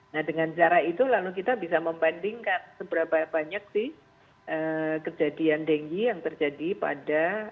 nah dengan cara itu lalu kita bisa membandingkan seberapa banyak sih kejadian denggi yang terjadi pada